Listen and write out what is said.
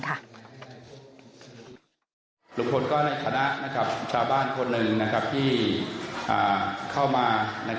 ลุงพลก็ในคณะชาวบ้านคนหนึ่งที่เข้ามา